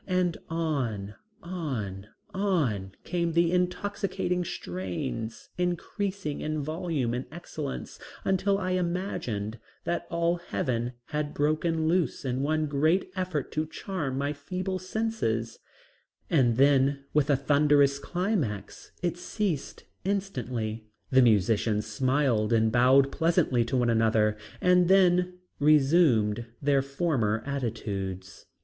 And on, on, on, came the intoxicating strains, increasing in volume and excellence until I imagined that all heaven had broken loose in one great effort to charm my feeble senses, and then with a thunderous climax it ceased instantly, the musicians smiled and bowed pleasantly to one another, and then resumed their former attitudes.